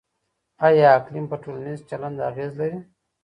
آيا اقليم پر ټولنيز چلند اغېز لري؟